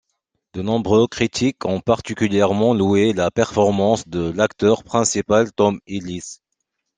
De nombreux critiques ont particulièrement loué la performance de l'acteur principal Tom Ellis.